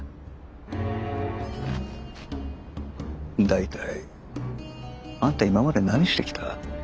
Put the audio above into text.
大体あんた今まで何してきた？